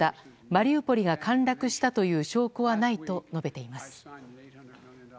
マリウポリが陥落したという証拠はないと述べています。